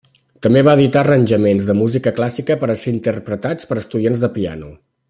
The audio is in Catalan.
També va editar arranjaments de música clàssica per a ser interpretats per estudiants de piano.